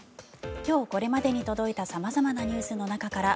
今日これまでに届いた様々なニュースの中から